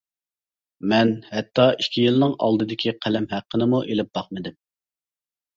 مەن ھەتتا ئىككى يىلنىڭ ئالدىدىكى قەلەم ھەققىمنىمۇ ئېلىپ باقمىدىم.